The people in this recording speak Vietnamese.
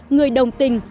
người đồng tình